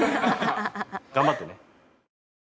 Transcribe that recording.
頑張ってね。